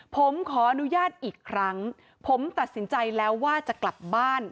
ผมขออนุญาตอีกครั้งผมตัดสินใจแล้วว่าจะกลับบ้าน